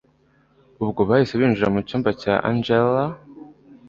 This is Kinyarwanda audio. ubwo bahise binjira mucyumba cya angella